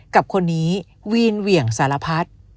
กับคนนี้วีนเหวี่ยงสารพัด